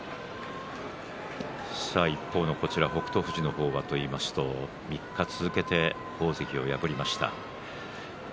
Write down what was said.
さあ一方の北勝富士の方は３日続けて大関を破りました。